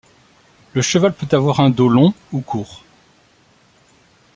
Le cheval peut avoir un dos long ou court.